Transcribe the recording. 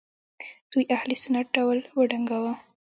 دوی اهل سنت ډول وډنګاوه